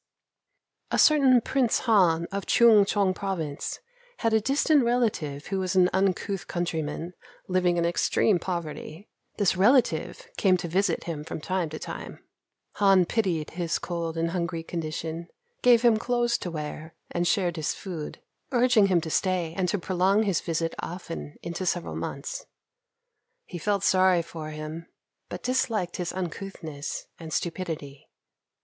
] A certain Prince Han of Choong chong Province had a distant relative who was an uncouth countryman living in extreme poverty. This relative came to visit him from time to time. Han pitied his cold and hungry condition, gave him clothes to wear and shared his food, urging him to stay and to prolong his visit often into several months. He felt sorry for him, but disliked his uncouthness and stupidity.